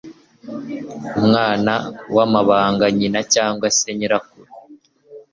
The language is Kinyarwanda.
Umwana wahambaga nyina cyangwa se nyirakuru